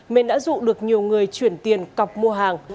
nên đã dụ được nhiều người chuyển tiền cọc mua hàng